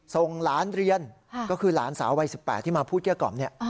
ส่งหลานเรียนก็คือหลานสาววัย๑๘ที่มาพูดเกลี้ยกล่อมเนี่ย